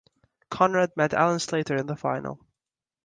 Conrad met Alan Slater in the final.